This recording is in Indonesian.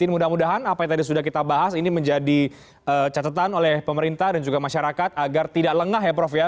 mudah mudahan apa yang tadi sudah kita bahas ini menjadi catatan oleh pemerintah dan juga masyarakat agar tidak lengah ya prof ya